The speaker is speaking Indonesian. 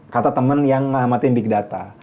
kata temen yang ngamatin big data